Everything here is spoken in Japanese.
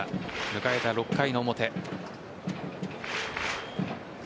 迎えた６回の表。